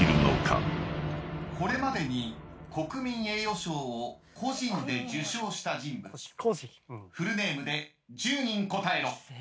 これまでに国民栄誉賞を個人で受賞した人物フルネームで１０人答えろ。